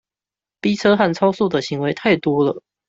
逼車和超速的行為太多了